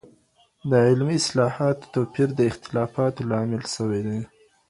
د علمي اصطلاحاتو توپير د اختلافاتو لامل سوی دی.